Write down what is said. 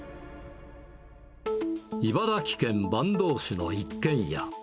茨城県坂東市の一軒家。